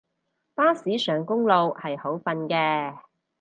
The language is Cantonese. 巴士上公路係好瞓嘅